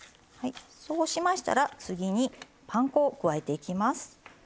そうしましたら、次にパン粉を加えていきます。